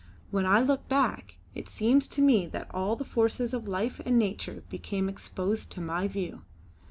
When I look back, it seems to me that all the forces of life and nature became exposed to my view.